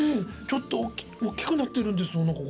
ちょっと大きくなってるんですよおなか。